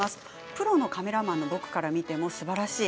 プロのカメラマンの僕から見てもすばらしい。